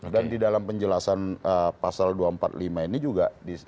dan di dalam penjelasan pasal dua ratus empat puluh lima ini juga